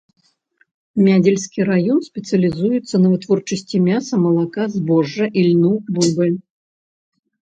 Мядзельскі раён спецыялізуецца на вытворчасці мяса, малака, збожжа, ільну, бульбы.